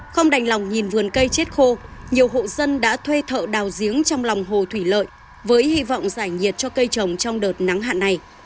không đành lòng nhìn vườn cây chết khô nhiều hộ dân đã thuê thợ đào giếng trong lòng hồ thủy lợi với hy vọng giải nhiệt cho cây trồng trong đợt nắng hạn này